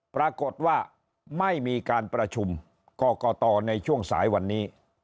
ปรากฏว่าไม่มีการประชุมกรกตในช่วงสายวันนี้